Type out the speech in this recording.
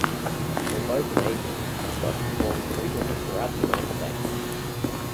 Although Canadian, Scott performs frequently throughout the United States.